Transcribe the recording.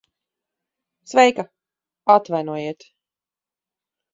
Sveika. Atvainojiet...